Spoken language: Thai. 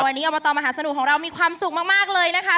วันนี้อบตมหาสนุกของเรามีความสุขมากเลยนะคะ